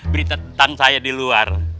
berita tentang saya di luar